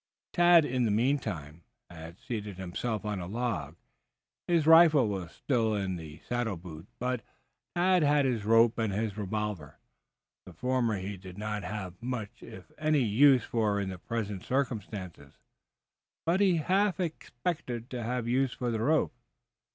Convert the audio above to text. Tad in the meantime had seated himself on a log. His rifle was still in the saddle boot, but Tad had his rope and his revolver. The former he did not have much if any use for in the present circumstances, but he half expected to have use for the rope.